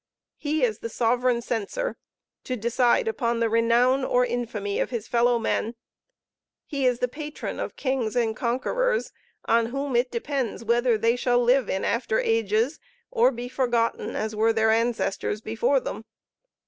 He is the sovereign censor, to decide upon the renown or infamy of his fellow men. He is the patron of kings and conquerors on whom it depends whether they shall live in after ages, or be forgotten as were their ancestors before them.